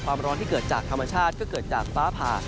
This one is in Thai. ความร้อนที่เกิดจากธรรมชาติก็เกิดจากฟ้าผ่า